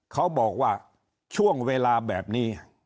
เขาบอกว่าช่วงเวลาแบบนี้